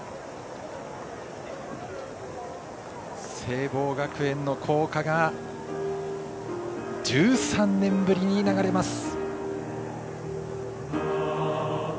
聖望学園の校歌が１３年ぶりに流れます。